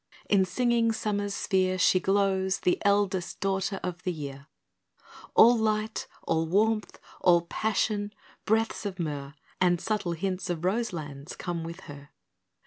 In singing Summer's sphere She glows, the eldest daughter of the year. All light, all warmth, all passion, breaths of myrrh, And subtle hints of rose lands, come with her.